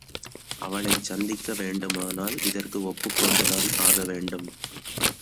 அவளைச் சந்திக்க வேண்டுமானால் இதற்கு ஒப்புக் கொண்டுதான் ஆகவேண்டும்.